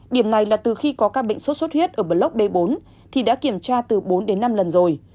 điểm này là từ khi có ca bệnh sốt xuất huyết ở block d bốn thì đã kiểm tra từ bốn đến năm lần rồi